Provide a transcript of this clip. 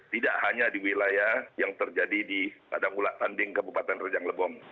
tidak hanya di wilayah yang terjadi di padanggulatanding kabupaten rejang lebong